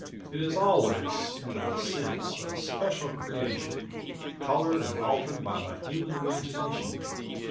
It is always, in a sense, a special creation, colored and altered by the human imagination.